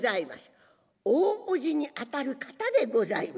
大おじにあたる方でございまして。